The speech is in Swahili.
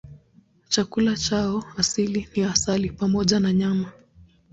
Chakula chao asili ni asali pamoja na nyama.